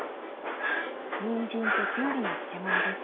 にんじんときゅうりの漬物です。